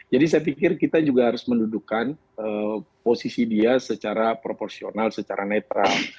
jadi saya pikir kita juga harus mendudukan posisi dia secara proporsional secara netral